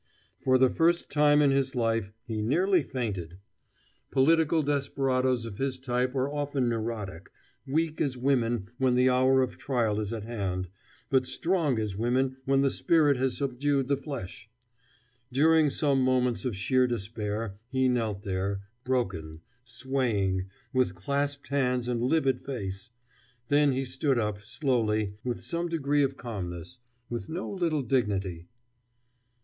For the first time in his life he nearly fainted. Political desperadoes of his type are often neurotic weak as women when the hour of trial is at hand, but strong as women when the spirit has subdued the flesh. During some moments of sheer despair he knelt there, broken, swaying, with clasped hands and livid face. Then he stood up slowly, with some degree of calmness, with no little dignity.